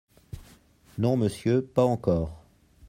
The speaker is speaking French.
Non, monsieur, pas encore.